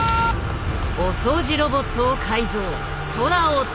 お掃除ロボットを改造空を跳ぶ。